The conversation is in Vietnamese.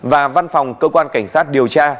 và văn phòng cơ quan cảnh sát điều tra